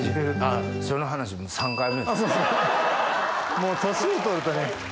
もう年を取るとね。